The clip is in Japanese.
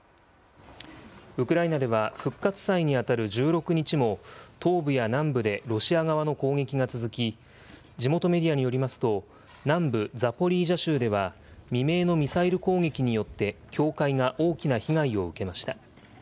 ウクライナでは、復活祭に当たる１６日も、東部や南部でロシア側の攻撃が続き、地元メディアによりますと、南部ザポリージャ州では、未明のミサイル攻撃によって、教会が大きな被害を受けました。